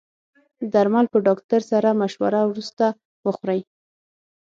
درمل په ډاکټر سره مشوره وروسته وخورئ.